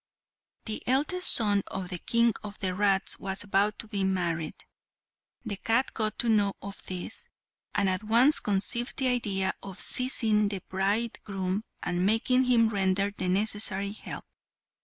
The eldest son of the king of the rats was about to be married. The cat got to know of this, and at once conceived the idea of seizing the bridegroom and making him render the necessary help.